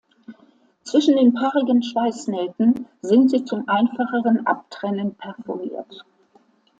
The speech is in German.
Zwischen den paarigen Schweißnähten sind sie zum einfacheren Abtrennen perforiert.